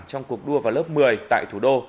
trong cuộc đua vào lớp một mươi tại thủ đô